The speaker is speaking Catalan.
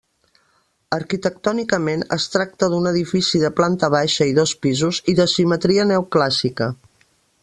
Arquitectònicament, es tracta d'un edifici de planta baixa i dos pisos i de simetria neoclàssica.